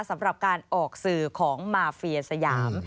สำหรับการออกสื่อของมาเฟียสยาม